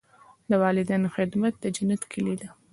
د والدینو خدمت د جنت کلي ده.